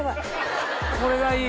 これがいい！